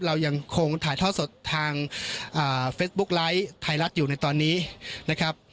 เรายังคงถ่ายท่อสดทางเฟซบุ๊กไลค์ไทยรัฐอยู่ในตอนนี้นะครับ